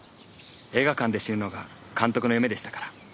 映画館で死ぬのが監督の夢でしたから。